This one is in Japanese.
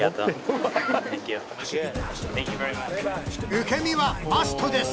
受け身はマストです